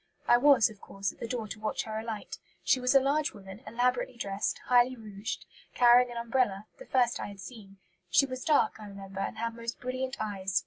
I was, of course, at the door to watch her alight. She was a large woman, elaborately dressed, highly rouged, carrying an umbrella, the first I had seen. She was dark, I remember, and had most brilliant eyes.